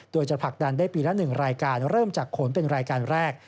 โดยจะผลักดันได้ปีละ๑รายการเริ่มจากขนเป็นรายการแรก